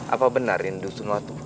apa benar rindu semuatu